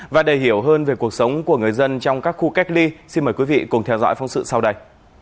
và để hiểu hơn về cuộc sống của người dân trong các khu cách ly xin mời quý vị cùng theo dõi phóng sự sau đây